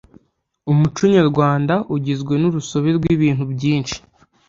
Umuco nyarwanda ugizwe n’urusobe rw’ibintu byinshi.